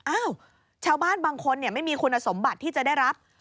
อ้าวชาวบ้านบางคนไม่มีคุณสมบัติที่จะได้รับ